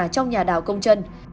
trong nhà đảo công trân